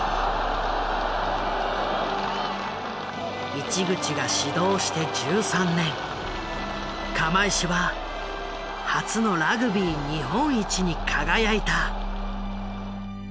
市口が指導して１３年釜石は初のラグビー日本一に輝いた。